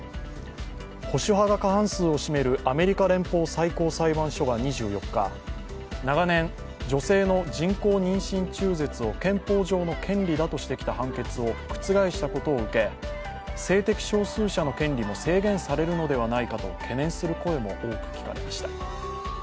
保守派が過半数を占めるアメリカ連邦最高裁判所が２４日、長年、女性の人工妊娠中絶を憲法上の権利だとしてきた判決を覆したことを受け、性的少数者の権利も制限されるのではないかと懸念する声も多く聞かれました。